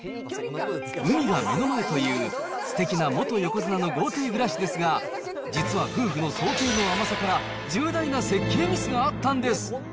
海が目の前という、すてきな元横綱の豪邸暮らしですが、実は夫婦の想定の甘さから、重大な設計ミスがあったんです。